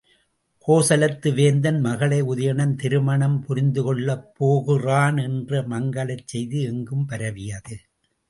கோசலத்து வேந்தன் மகளை உதயணன் திருமணம் புரிந்துகொள்ளப் போகின்றான் என்ற மங்கலச் செய்தி எங்கும் பரவியது.